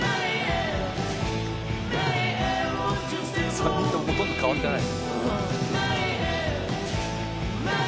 「３人ともほとんど変わってない」